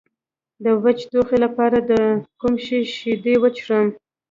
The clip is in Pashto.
د وچ ټوخي لپاره د کوم شي شیدې وڅښم؟